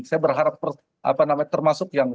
saya berharap apa namanya termasuk yang